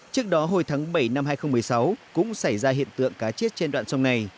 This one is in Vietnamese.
trước đó hồi tháng bảy năm hai nghìn một mươi sáu cũng xảy ra hiện tượng cá chết trên đoạn sông này